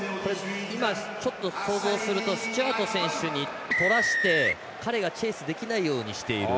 今、ちょっと想像するとスチュワード選手にとらせて彼がチェイスできないようにしている。